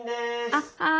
あっはい！